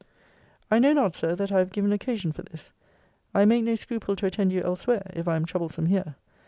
I know not, Sir, that I have given occasion for this. I make no scruple to attend you elsewhere, if I am troublesome here.